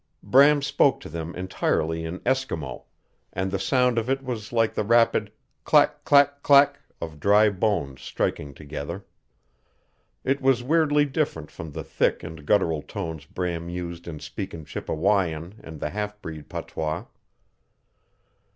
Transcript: Bram spoke to them entirely in Eskimo and the sound of it was like the rapid CLACK CLACK CLACK of dry bones striking together. It was weirdly different from the thick and guttural tones Bram used in speaking Chippewyan and the half breed patois.